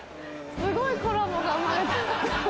すごいコラボが生まれた。